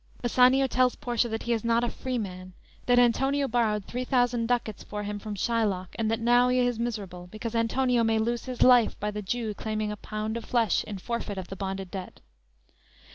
"_ Bassanio tells Portia that he is not a freeman, that Antonio borrowed three thousand ducats for him from Shylock, and that now he is miserable because Antonio may lose his life by the Jew claiming a pound of flesh in forfeit of the bonded debt.